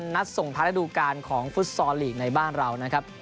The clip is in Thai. นัดส่งท้ายระดูการของฟุตซอลลีกในบ้านเรานะครับ